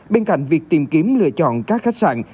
bên cạnh việc tìm kiếm lựa chọn các khách sạn